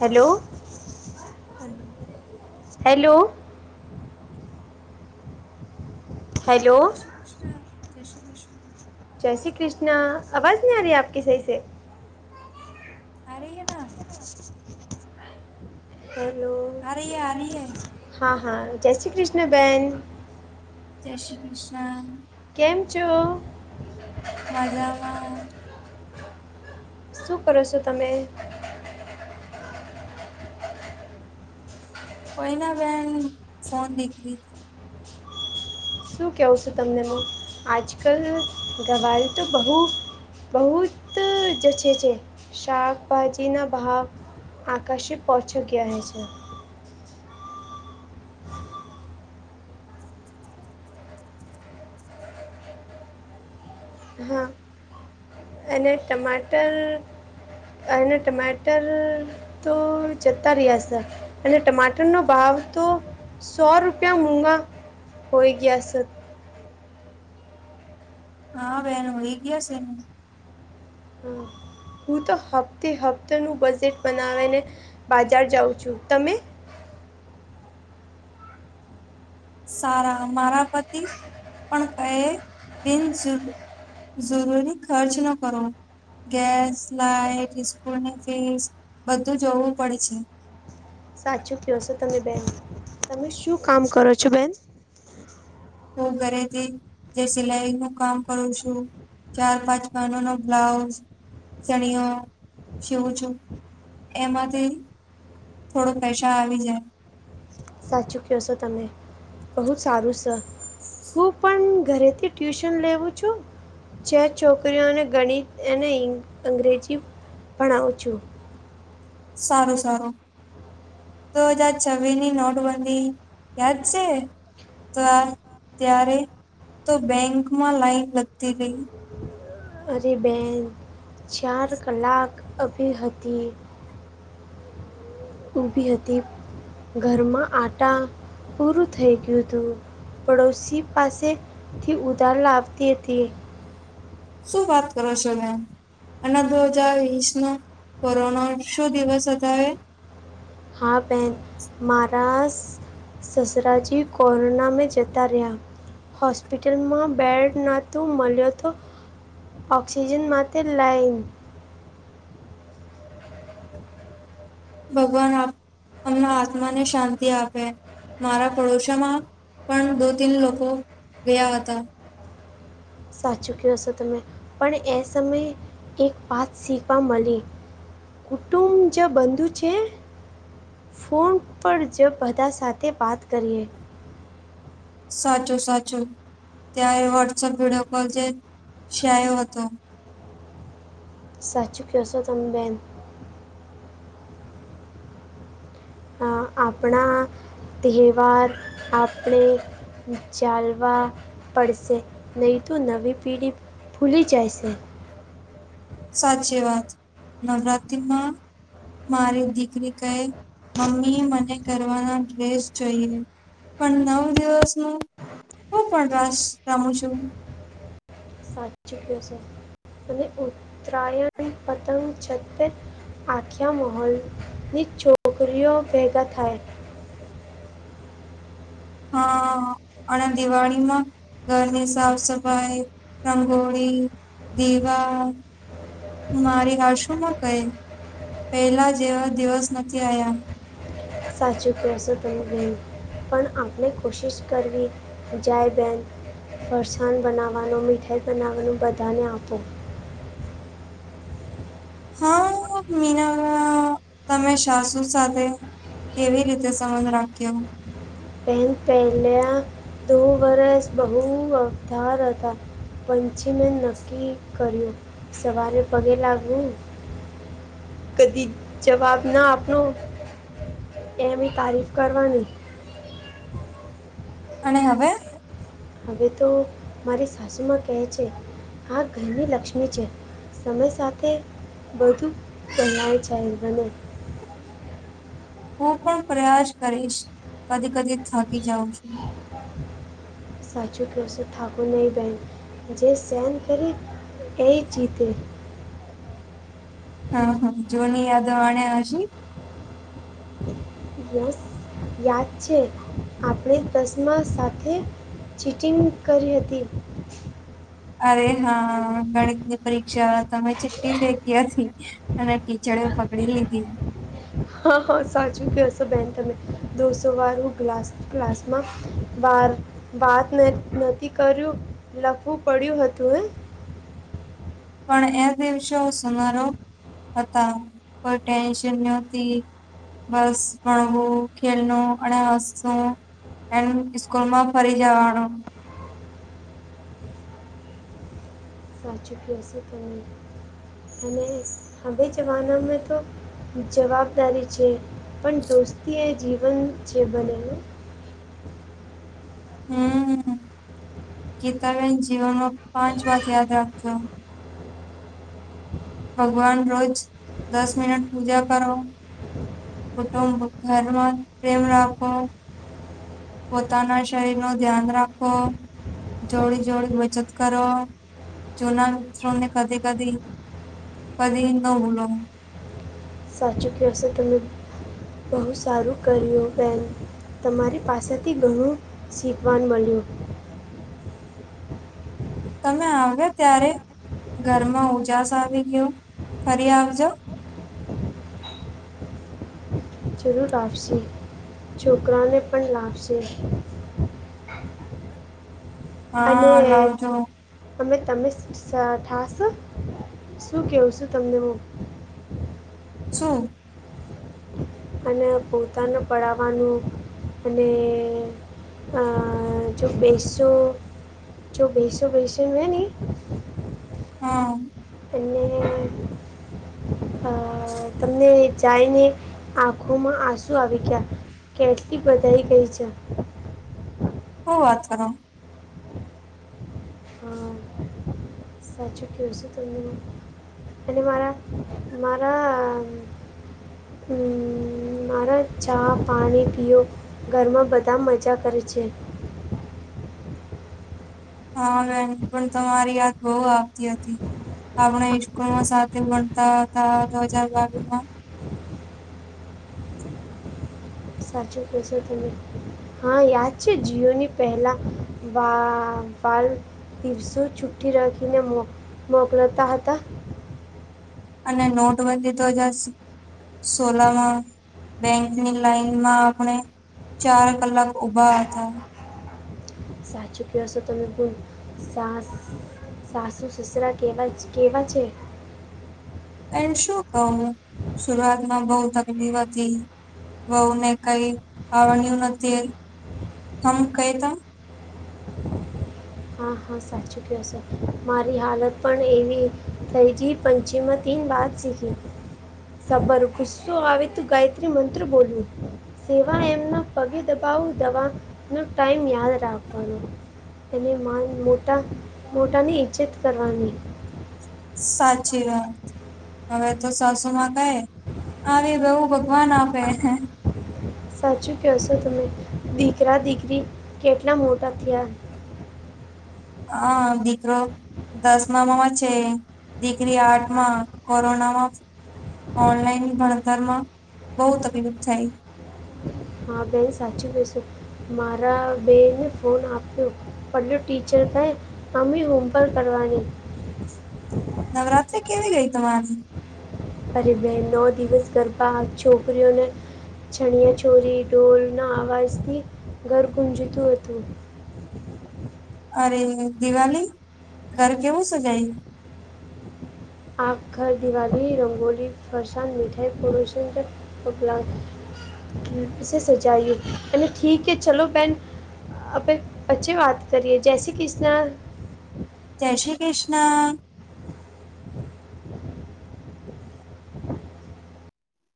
Hello. હા. Hello. Hello જય શ્રી કૃષ્ણ. જય શ્રી કૃષ્ણ. જય શ્રી કૃષ્ણ. આવાજ ન આ રહી આપકી સહીસે. આ ર હ ના હા. હલો આ રહી હે આ રહી હે હા હા જય શ્રી કૃષ્ણ બેન. જય શ્રી કૃષ્ણ. કેમ છો? મજામાં. શું કરો છો તમે? કોઈ ના બેેન ફોન દકી હતી. શું કહેવું છું તમને, હું આજકાલ ગવારી તો બહુ બહુ જ જશે છે શાકભાજી ના ભાવ. આકાશી પહોંચી ગયા છે‌. હા, અને ટમાટર. અને ટમાટર તો જતા રહ્યા છે. અને ટમાટર નો ભાવ તો સો રૂપિયા મોઘા હોય ગયા છે. હા, બેહેનો હોય ગયા છેને. હમ, હું તો હપ્તે હપ્તાનું બજેટ બનાવેને. બાજાર જાઉં છું તમે. સારા, મારા પતિ પણ કહે, બિન જુલ. જરૂરી ખર્ચ ન કરો. ગેસ લાઈટ, સ્કૂલની ફીસ બધું જોવું પડે છે. સાચું કહો છો તમે, બેન. તમે શું કામ કરો છો, બેન? હું ઘરેથી જે સિલાઈ નું કામ કરું છું. ચાર-પાંચ બહેનો નો બ્લાઉઝ, ચણિયો સીવું છું. એમાંથી થોડો પૈસા આવી જાય. સાચું કહશો છો તમે, બહુ સારું છે. હું પણ ઘરેથી ટ્યુશન લેવું છું. જે છોકરીઓને ગણિત અને અંગ્રેજી ભણાવું છું. સારું, સારું. તો બે હજાર છવ્વીસ ની નોટબંધી યાદ છે. તો ત્યારે તો બેંકમાં લાઈન લગતી રહી. અરે બેન ચાર કલાક ઊભી હતી. ઉભી હતી, ઘરમાં આટા પૂરું થઈ ગયું હતું. પડોશી પાસે થી ઉધાર લાવતી હતી. શું વાત કરો છો, મેમ? અને દો હજાર વીસ નો કોરોના શું દિવસ હતો. હા, બેન મારા. સસરાજી કોરોના મા જતા રહ્યા. હોસ્પિટલમાં બેડ ન મળ્યો તો. ઓક્સિજન માટે લાઇન. ભગવાન અએમના આત્મા ને શાંતિ આપે. મારા પડોશામાં પણ દો-તીન લોકો ગયા હતા. સાચું કહશો તમે પણ, એ સમયે એક વાત શીખવા મળી. કુટુંબ જ બંધુ છે. ફોન પર જ બધા સાથે વાત કરીએ. સાચું, સાચું. ત્યારે વોટ્સઅપ વિડીયો કોલ જે આવ્યો હતો. સાચું કહેશો તમે, બેન. અ આપણા તહેવાર આપણે ચાલવા પડશે નહીં, તો નવી પેઢી ફૂલી જાય છે. સાચી વાત, નવરાત્રિમાં મારી દીકરી કઈ. મમ્મી, મને કરવાના ડ્રેસ જોઈએ, પણ નવ દિવસનું હું પ્રકાશ રમું છું. સાચી ક્હેશો છે, અને ઉત્તરાયણ પતંગ આખ્યા મહોલની છોકરીઓ ભેગા થાય. હા [inaudible] અને દિવાળીમાં ઘરની સાફ સફાઈ, રંગોળી દીવા મારી આસુ માં કહી પહેલા જેવા દિવસ નથી આવ્યા. સાચું કસો બેન પણ આપણે કોશિશ કરવી જ્યારે બેન ફરસાણ બનાવવાનું મીઠાઈ બનાવવાનું બધાને આપો. હા મીના તમે સાસુ સાથે કેવી રીતે સંબંધ રાખ્યો? પેહલ પહેલા દો વરસ બહુ વધાર હતા. પંચમે નક્કી કર્યું સવારે પગે લાગવું. કદી જવાબ ના આપનો. એમની તારીફ કરવાની. અને હવે? હવે તો મારી સાસુ માં કહે છે આ ઘરની લક્ષ્મી છે. સમય સાથે બધું કહેવાય જાહે બને. હું પણ પ્રયાસ કરીશ કદી કદી થકી જાઉં છું. સાચું કેસ ઠાકુર નહી બેન. જે સહન કરે એઈ જીતે. હા હા જોની આદવાને પછી? [inaudible] યસ યાદ છે આપણે ચશમા સાથે ચીટિંગ કરી હતી. અરે હા ગણિત ની પરીક્ષા તમે ચિઠ્ઠી મેકિ હતી. અને ટીચડ એ પકડી લીધી. હા સાચું કેશો બેન તમે દોસો વાર હું ગ્લાસ ગ્લાસમાં બાર વાત નથી કર્યું લખવું પડ્યું હતું એ? પણ એ દિવસો સમારો હતા કોઈ ટેન્શન નહતી. બસ ભણવું, ખેલનું અને હસવું. એમ સ્કૂલ માં ફરી જવાનું. સાચુકશે તને અને હવે જવાનામાં તો જવાબદારી છે પણ દોસ્તી એ જીવન જે બનેલું. હમ્મ, ગીતાબેન જીવનમાં પાંચ વાત યાદ રાખજો. ભગવાન રોજ દસ મિનટ પૂજા કરો. કુટુંબ, ધર્મ, પ્રેમ રાખો. પોતાના શરીર નું ધ્યાન રાખો, જોડી જોડી બચત કરો. જૂના મિત્રોને કદી કદી કદી ન ભૂલો. સાચું કેશે તમે. બહુ સારું કર્યું બેન તમારી પાસેથી ઘણું શીખવાનું મળ્યું. અમે આવ્યા ત્યારે ઘરમાં ઉજાસ આવી ગયો, ફરી આવજો. જરૂર આપશે છોકરાને પણ લાવશે. અને હા લાવજો અમે તમે સ થશો? શું કેવું છું તમને હું? શું? અને પોતાને પડાવવાનું અને અ જો બેઢસો જો બેસો બેૈસોમાં નને હમ્મ. અને અહ અહ તમને જાયને આંખોમાં આંસુ આવી ગયા. કેટલી બદાઈ ગઈ છે. હુ વાત કરો? હા, સાચું ક્યોશો તમે આ. અને મારા-મારા મ્મ મારા ચા પાણી પીઓ. ઘરમાં બધા મજા કરે છે. હા, [unintelligible] પણ તમારી યાદ બઉ આ તી હતી, આપણા ઈસ્કૂલમાં સાથે ભણતા હતા, દો હજાર બાવીહ માં. સાચું ક્યો છો તમે. હા, યાદ છે, જીઓની પહેલા વા પાલ દિવસો છુઠ્ઠી રાખીને મોક મોકલાતા હતા. અને નોટબંધી તો જશ સોલામાં બેંકની લાઈનમાં આપણે ચાર કલાક ઉભા હતા. સાચું ક્યો સો તમે [unintelligible] સાસ, સાસુ સસરા કેવા છ કેવા છે? તેન શું કવ હું, સુરઆતમાં બહુ તકલીફ હતી વહુને કઈ આવડ્યું નથી, તેમ કહેતા. હા, હા સાચું ક્યો શો. મારી હાલત પણ એવી થઈજી પંચીમત તીન વાત શીખી, સબર, ગુસ્સો આવે તો ગાયત્રી મંત્ર બોલવો. સેવા એમના પગે દબાવો, દવા ના ટાઈમ યાદ રાખવાનો. એને માન મોટા-મોટાની ઈજ્જત કરવાની. સાચી વાત. હવે તો સાસું માં કહે આવી બહુ ભગવાન આપે. સાચું ક્યો શો તમે. દીકરા દીકરી કેટલા મોટા થયા. હા દીકરો દસમામાં છે. દીકરી આઠમાં, કોરોનામાં ઓનલાઈન ભણતરમાં બહુ તકલીફ થઈ. હા, બેન સાચી કહેશો, મારા બેને ફોન આપ્યો. પલું ટીચર કહે અમી હોમવર્ક કરવાની. નવરાત્રી કેવી ગઈ તમારી? પરી બહેન નૌ દિવસ ગરબા છોકરીઓને ચણીયા ચોલી, ઢોલ ના આવાજથી ઘર ગુંજતું હતું. [inaudible] અરે, દિવાલી? ઘર કેવું સજાયું? આખા દિવાલી, રંગોલી, ફરસાન મીઠાઈ [unintelligible] [unintelligible] સજાયું. અને ઠીક હૈ, ચલો બહેન. આપે પછી વાત કરીએ, જય શ્રી કૃષ્ણ. જય શ્રી કૃષ્ણ. [unintelligible]